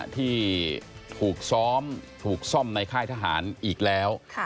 ที่ถูกซ้อมถูกซ่อมในค่ายทหารอีกแล้ว